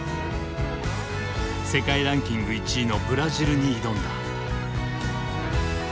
世界ランキング１位のブラジルに挑んだ。